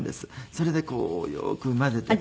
それでこうよく混ぜて。